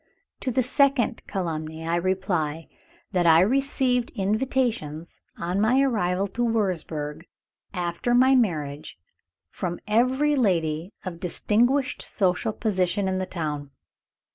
"To the second calumny I reply, that I received invitations, on my arrival in Wurzburg after my marriage, from every lady of distinguished social position in the town.